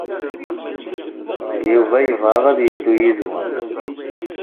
Yuba yebɣa ad yeddu yid-wen.